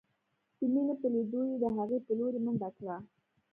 د مينې په ليدو يې د هغې په لورې منډه کړه.